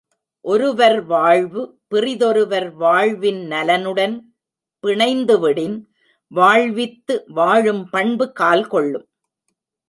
ஒருவர் வாழ்வு, பிறிதொருவர் வாழ்வின் நலனுடன் பிணைந்துவிடின் வாழ்வித்து வாழும் பண்பு கால் கொள்ளும்.